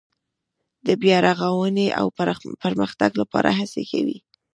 د بیا رغاونې او پرمختګ لپاره هڅې کوي.